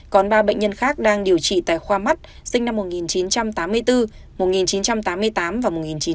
còn ba bệnh nhân khác đang điều trị tại khoa mắt sinh năm một nghìn chín trăm tám mươi bốn một nghìn chín trăm tám mươi tám và một nghìn chín trăm tám mươi